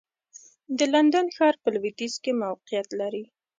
د لندن ښار په لوېدیځ کې موقعیت لري.